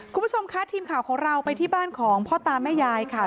คุณผู้ชมคะทีมข่าวของเราไปที่บ้านของพ่อตาแม่ยายค่ะ